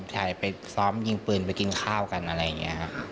ใช่ไปซ้อมยิงปืนไปกินข้าวกันอะไรอย่างนี้ครับ